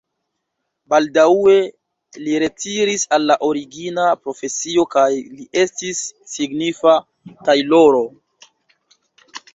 Baldaŭe li retiris al la origina profesio kaj li estis signifa tajloro.